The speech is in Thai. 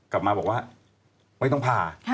กลับมาบอกว่าไม่ต้องผ่า